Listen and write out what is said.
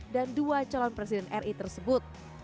dan dua calon presiden ri tersebut